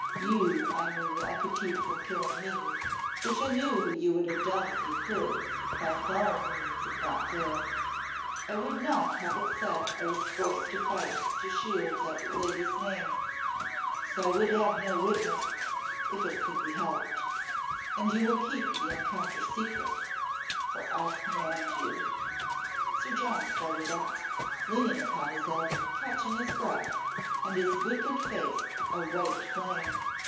You, I knew, I could keep from killing me, which I knew you would have done if you could, by foul means if not fair. I would not have it said I was forced to fight to shield that lady's name so I would have no witness if it could be helped. And you will keep the encounter secret, for I command you." Sir John started up, leaning upon his elbow, catching his breath, and his wicked face a white flame.